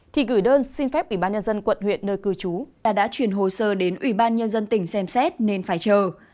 thì gửi đơn xin phép ủy ban nhân dân quận huyện nơi cư trú ta đã chuyển hồ sơ đến ủy ban nhân dân tỉnh xem xét nên phải chờ